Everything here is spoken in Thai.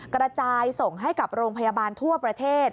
กระจายส่งให้กับโรงพยาบาลทั่วประเทศ